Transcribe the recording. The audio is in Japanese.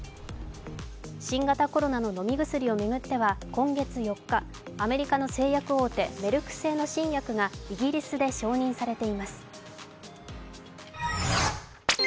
新型コロナの飲み薬を巡っては今月４日、アメリカの製薬大手・メルク製の新薬がイギリスで承認されています。